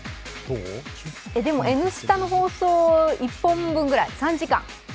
「Ｎスタ」の放送１本分くらい、３時間。